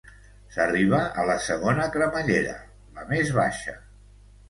S'arriba a la segona cremallera, la més baixa.